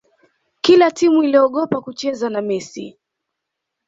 kila timu iliogopa kucheza na messi